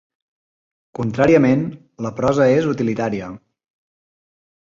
Contràriament, la prosa és utilitària.